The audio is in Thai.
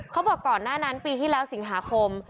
ก่อนหน้านั้นปีที่แล้วสิงหาคม